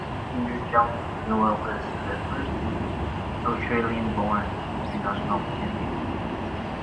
Lead singer John Newell is the first Australian-born international champion.